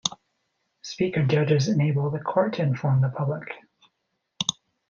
Speaker judges enable the court to inform the public.